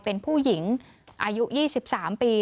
เป็นผู้หญิงอายุ๒๓ปี